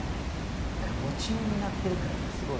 何か夢中になってる感がすごいいいね。